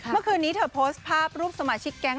เมื่อคืนนี้เธอโพสต์ภาพรูปสมาชิกแก๊ง